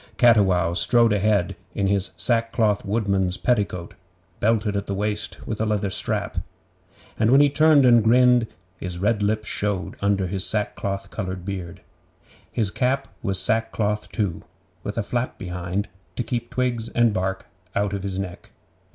Cattiwow strode ahead in his sackcloth woodman's petticoat, belted at the waist with a leather strap; and when he turned and grinned, his red lips showed under his sackcloth coloured beard. His cap was sackcloth too, with a flap behind, to keep twigs and bark out of his neck.